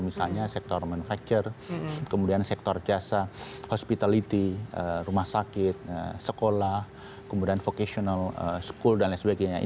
misalnya sektor manufacture kemudian sektor jasa hospitality rumah sakit sekolah kemudian vocational school dan lain sebagainya